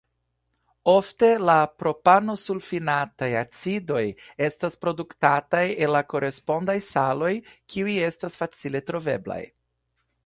Ofte la propanosulfinataj acidoj estas produktataj el la korespondaj saloj kiuj estas facile troveblaj.